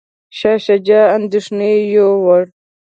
شاه شجاع اندیښنې یووړ.